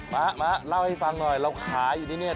มามาเล่าให้ฟังหน่อยเราขายอยู่ที่นี่